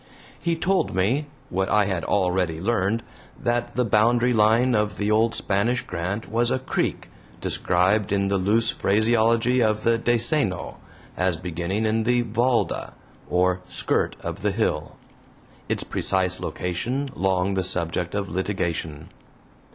He told me what I had already learned that the boundary line of the old Spanish grant was a creek, described in the loose phraseology of the DESENO as beginning in the VALDA or skirt of the hill, its precise location long the subject of litigation.